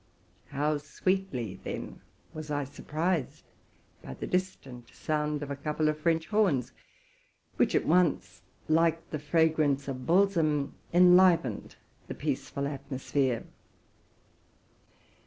How sweetly, then, was I surprised by the distant sound of a couple of French horns, which at once, like the fragrance of balsam, enlivened the peaceful atmos phere.